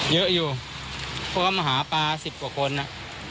เยอะอยู่เค้ามาหาปลา๑๐กว่าคนนะ